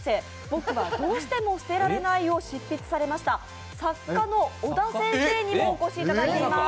「僕はどうしても捨てられない」を執筆されました作家の小田先生にもお越しいただいています。